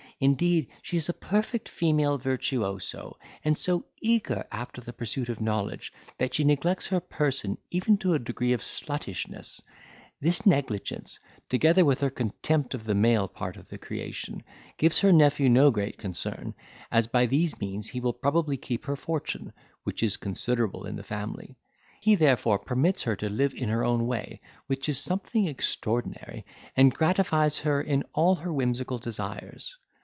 Indeed, she is a perfect female virtuoso, and so eager after the pursuit of knowledge that she neglects her person even to a degree of sluttishness; this negligence, together with her contempt of the male part of the creation, gives her nephew no great concern, as by these means he will probably keep her fortune, which is considerable in the family. He therefore permits her to live in her own way, which is something extraordinary, and gratifies her in all her whimsical desires.